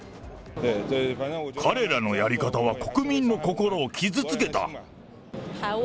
彼らのやり方は国民の心を傷つけた。